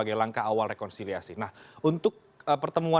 ada bang andre rosiade pastinya